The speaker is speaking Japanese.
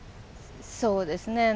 そうですね。